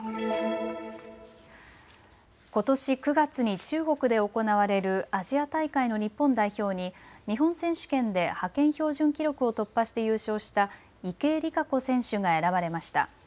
ことし９月に中国で行われるアジア大会の日本代表に日本選手権で派遣標準記録を突破して優勝した池江璃花子選手が選ばれました。